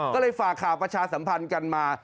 ก็เลยฝากข่าวประชาสัมพันธ์กันมา